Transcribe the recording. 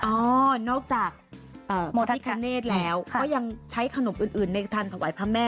อ่าอววววนอกจากอ่าพระพิคเนธแล้วอย่างใช้ขนมอื่นในท่านทหวัยพระแม่